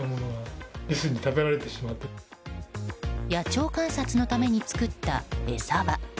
野鳥観察のために作った餌場。